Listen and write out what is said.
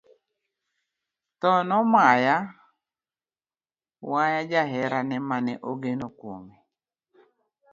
Tho nomaya waya jaherane mane ogeno kuome.